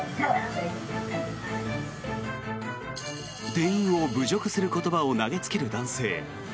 店員を侮辱する言葉を投げつける男性。